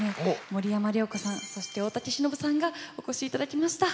森山良子さんそして大竹しのぶさんがお越し頂きました。